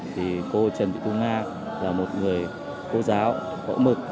thì cô trần thị thu nga là một người cô giáo võ mực